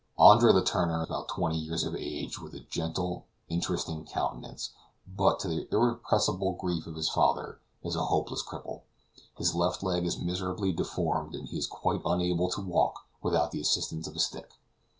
Andre Letourneur is about twenty years of age, with a gentle, interesting countenance, but, to the irrepressible grief of his father, is a hopeless cripple. His left leg is miserably deformed, and he is quite unable to walk without the assistance of a stick.